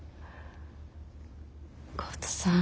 浩太さん